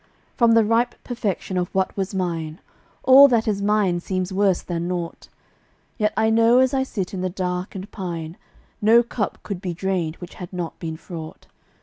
From the ripe perfection of what was mine, All that is mine seems worse than naught; Yet I know as I sit in the dark and pine, No cup could be drained which had not been fraught.